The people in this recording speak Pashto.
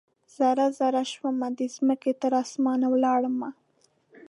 ذره ، ذره شومه د مځکې، تراسمان ولاړمه